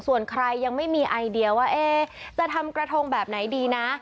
ส่วนใครยังไม่มีไอเดียว่าจะทำกระทงแบบไหนดีนะ